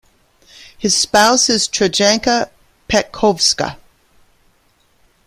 His spouse is Trajanka Petkovska.